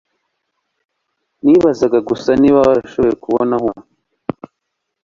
Nibazaga gusa niba washoboye kubona aho uba.